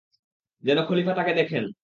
যেন খলীফা তাকে দেখেন।